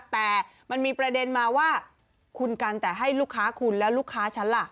แต่มันมีประเด็นมาว่าคุณกันแต่ให้ลูกค้าคุณแล้วลูกค้าฉันล่ะ